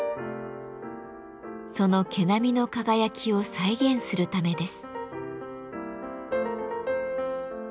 その毛並みの輝きを再現するためです。